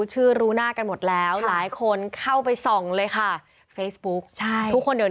หลายอย่างเลย